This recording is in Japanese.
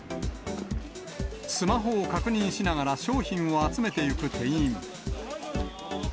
スマホを確認しながら商品を集めていく店員。